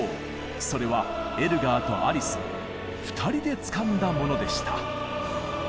それはエルガーとアリス２人でつかんだものでした。